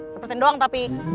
seperti doang tapi